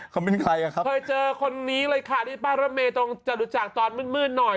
ทาเมตรรวมจะรู้จักตอนมืดหน่อย